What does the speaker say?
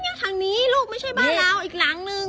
ทางนี้ลูกไม่ใช่บ้านเราอีกหลังนึง